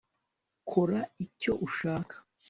kora icyo ushaka